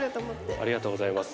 ありがとうございます。